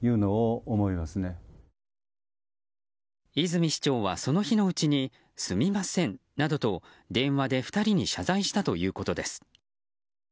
泉市長は、その日のうちにすみませんなどと電話で２人に謝罪したということです。